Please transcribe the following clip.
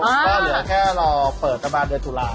ก็เหลือแค่เราเปิดกระบาดโดยธุระ